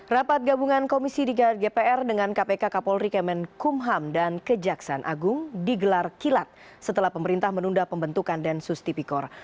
rapat gabungan komisi tiga gpr dengan kpk kapol rikemen kumham dan kejaksan agung digelar kilat setelah pemerintah menunda pembentukan densus tipikor